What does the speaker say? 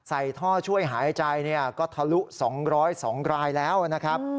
ท่อช่วยหายใจก็ทะลุ๒๐๒รายแล้วนะครับ